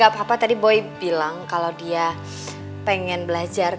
gak apa apa tadi boy bilang kalau dia pengen belajar kata kata gue